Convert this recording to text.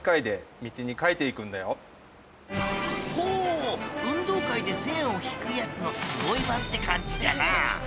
運動会で線を引くやつのすごい版って感じじゃな。